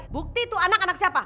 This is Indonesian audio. bukti itu anak anak siapa